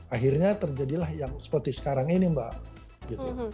akhirnya terjadilah yang seperti sekarang ini mbak